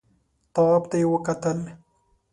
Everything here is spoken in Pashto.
تواب ته يې وکتل.